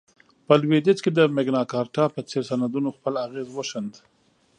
په لوېدیځ کې د مګناکارتا په څېر سندونو خپل اغېز وښند.